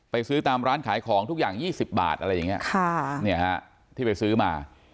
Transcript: ซื้อตามร้านขายของทุกอย่าง๒๐บาทอะไรอย่างนี้ที่ไปซื้อมา